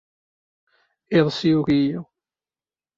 Iḍes yugi-iyi.